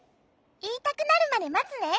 いいたくなるまでまつね。